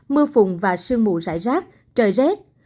mưa phùng và sương mù rải rác trời rết